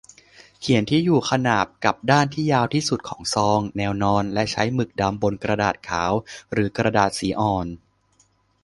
เขียนที่อยู่ขนานกับด้านที่ยาวที่สุดของซอง แนวนอน และใช้หมึกดำบนกระดาษขาวหรือกระดาษสีอ่อน